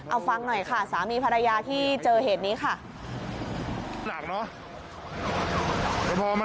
เอาฟังหน่อยค่ะสามีภรรยาที่เจอเหตุนี้ค่ะ